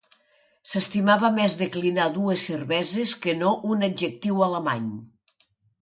S'estimava més declinar dues cerveses que no un adjectiu alemany.